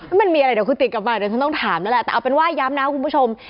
อ่ะมันมีอะไรขมันเป็นก่อนต้องถามด้วยาแปลว่ายอมนะคุณผู้ชม